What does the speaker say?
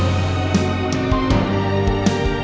yang paling jauh